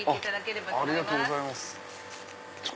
ありがとうございます。